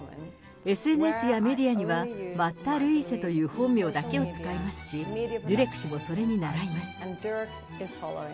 ＳＮＳやメディアにはマッタ・ルイーセという本名だけを使いますし、デュレク氏もそれにならいます。